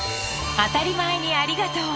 『あたりまえにありがとう！』